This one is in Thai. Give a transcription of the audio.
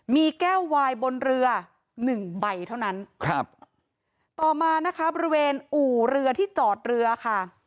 มีแก้ววายบนเรือหนึ่งใบเท่านั้นครับต่อมานะคะบริเวณอู่เรือที่จอดเรือค่ะ